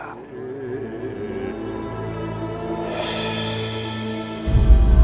jangan lupa ibu nda untuk mencari dinda